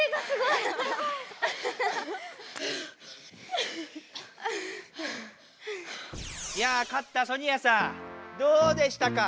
いや勝ったソニアさんどうでしたか？